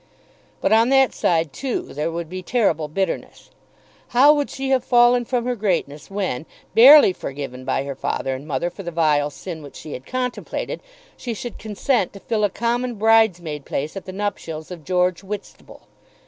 But on that side too there would be terrible bitterness. How would she have fallen from her greatness when, barely forgiven by her father and mother for the vile sin which she had contemplated, she should consent to fill a common bridesmaid place at the nuptials of George Whitstable!